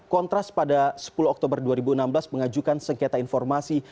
kontras pada sepuluh oktober dua ribu enam belas mengajukan sengketa informasi